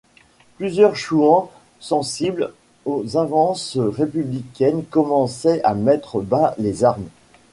Plusieurs chouans sensibles aux avances républicaines commençaient à mettre bas les armes.